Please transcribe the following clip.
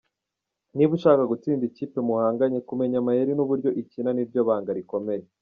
Niba ushaka gutsinda ikipe muhanganye, kumenya amayeri n’uburyo ikina ni ryo banga rikomeye.